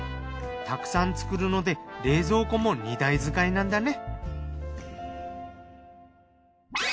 たくさん作るので冷蔵庫も２台使いなんだね。